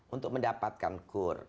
untuk mendapatkan kur